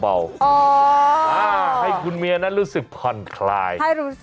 อ้าวให้คุณเมียนั้นรู้สึกพันธุ์คลาย